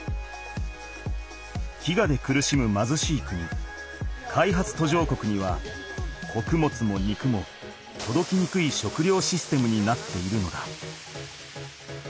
飢餓で苦しむまずしい国開発途上国にはこくもつも肉もとどきにくい食料システムになっているのだ。